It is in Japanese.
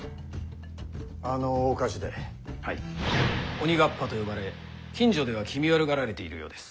「鬼河童」と呼ばれ近所では気味悪がられているようです。